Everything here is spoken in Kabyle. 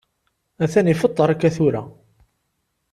Atan ifeṭṭer akka tura.